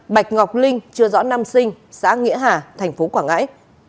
năm bạch ngọc linh chưa rõ năm sinh xã nghĩa hà tp quảng ngãi